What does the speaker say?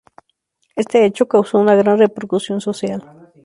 Este hecho, causó una gran repercusión social.